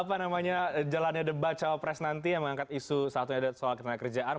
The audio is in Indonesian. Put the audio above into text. apa namanya jalannya debat cawapres nanti yang mengangkat isu saat ini ada soal keterangan kerjaan